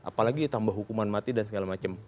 apalagi tambah hukuman mati dan segala macam